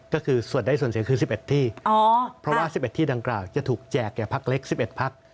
ก็คือส่วนได้ส่วนเสียคือสิบเอ็ดที่เพราะว่าสิบเอ็ดที่ดังกล่าวจะถูกแจกแก่พักเล็กสิบเอ็ดพัก